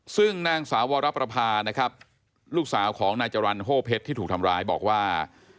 ซึ่งนางสาววรประพานะครับลูกสาวของนายจรรย์โฮเพชรที่ถูกทำร้ายบอกว่า